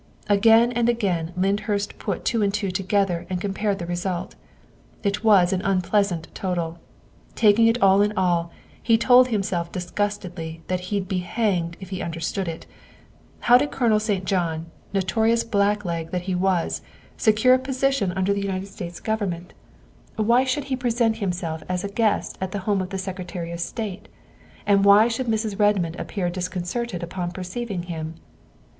Again and again Lyndhurst put two and two together and compared the result. It was an unpleasant total, taking it all in all, and he told himself disgustedly that he'd be hanged if he understood it. How did Colonel St. John, notorious blackleg that he was, secure a position under the United States Govern ment? THE SECRETARY OF STATE 245 "Why should he present himself as a guest at the home of the Secretary of State, and why should Mrs. Red mond appear disconcerted upon perceiving him